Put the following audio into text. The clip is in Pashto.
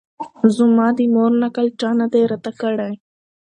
زما د مور نکل چا نه دی راته کړی